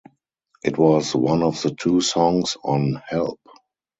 It was one of the two songs on Help!